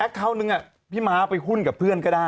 แอคเก็ตหนึ่งน่ะพี่ม้าไปหุ้นกับเพื่อนก็ได้